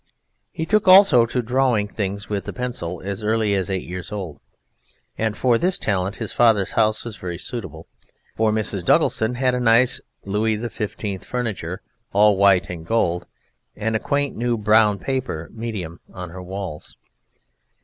He took also to drawing things with a pencil as early as eight years old, and for this talent his father's house was very suitable, for Mrs. Duggleton had nice Louis XV furniture, all white and gold, and a quaint new brown paper medium on her walls.